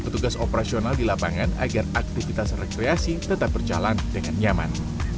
petugas operasional di lapangan agar aktivitas rekreasi tetap berjalan dengan nyaman